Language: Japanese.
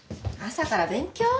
朝から勉強？